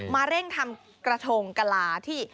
เร่งทำกระทงกะลาที่